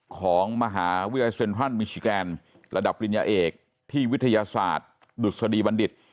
ของมหาวิทยาลัยเซ็นทรัลมิชิแกนระดับปริญญาเอกที่วิทยาศาสตร์ดุษฎีบัณฑิต